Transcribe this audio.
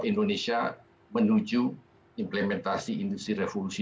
indonesia menuju implementasi indonesia revolusi empat